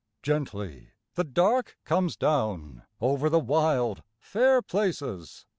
Gently the dark comes down over the wild, fair places.